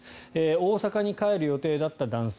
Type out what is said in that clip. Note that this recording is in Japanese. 大阪に帰る予定だった男性。